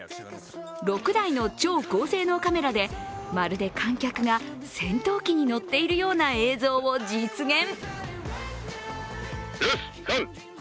６台の超高性能カメラでまるで観客が、戦闘機に乗っているような映像を実現。